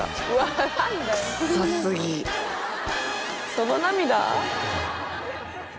その涙？